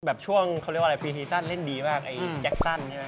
ช่วงเขาเรียกว่าอะไรปีซีซั่นเล่นดีมากไอ้แจ็คสั้นใช่ไหม